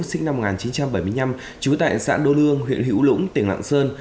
sinh năm một nghìn chín trăm bảy mươi năm trú tại xã đô lương huyện hữu lũng tỉnh lạng sơn